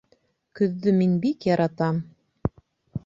Көҙҙө мин бик яратам